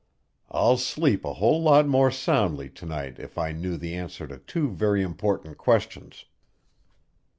I'd sleep a whole lot more soundly to night if I knew the answer to two very important questions."